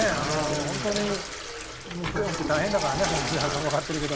ホントにプレーオフって大変だからね上原さんわかってるけど。